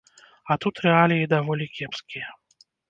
А тут рэаліі даволі кепскія.